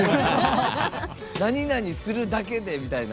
「何なにするだけで」みたいな。